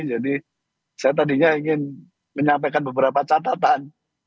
jadi saya tadinya ingin menyampaikan beberapa catatan